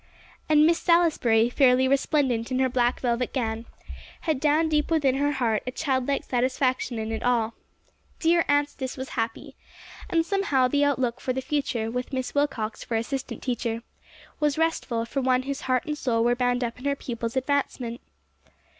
And Miss Salisbury, fairly resplendent in her black velvet gown, had down deep within her heart a childlike satisfaction in it all. "Dear Anstice was happy," and somehow the outlook for the future, with Miss Wilcox for assistant teacher, was restful for one whose heart and soul were bound up in her pupils' advancement.